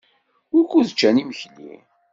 Wukud ččan imekli?